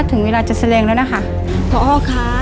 ถึงเวลาจะแสนหลังแล้วนะคะ